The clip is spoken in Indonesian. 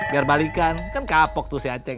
biar balikan kan kapok tuh si a reacheng